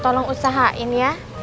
tolong usahain ya